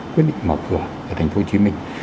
quyết định mở cửa ở thành phố hồ chí minh